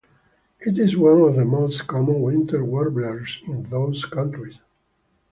It is one of the most common winter warblers in those countries.